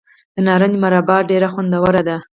د نارنج مربا ډیره خوندوره ده.